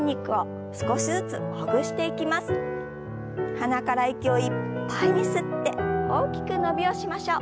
鼻から息をいっぱいに吸って大きく伸びをしましょう。